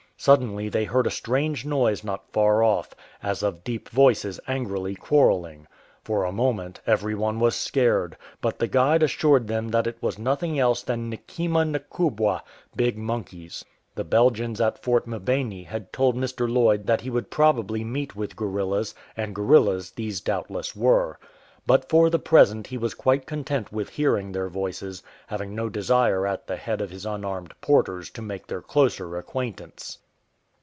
Suddenly they heard a strange noise not far off, as of deep voices angrily quarrelling. For a moment every one was scared, but the guide assured them that it was nothing else than nhima nhubwa (" big monkeys"). The Belgians at Fort Mbeni had told 175 DIFFICULTIES OF THE MARCH Mr. Lloyd that he would probably meet with gorillas, and gorillas these doubtless were. But for the present he was quite content with hearing their voices, having no desire at the head of his unarmed porters to make their closer acquaintance.